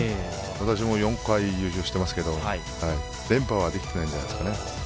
私も４回優勝してますけど連覇はできていないんじゃないですかね。